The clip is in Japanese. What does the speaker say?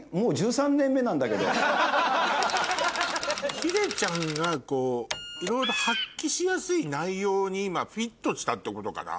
ヒデちゃんがこういろいろ発揮しやすい内容に今フィットしたってことかな？